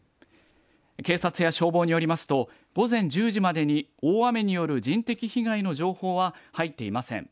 警察や消防によりますと午前１０時までに大雨による人的被害の情報は入っていません。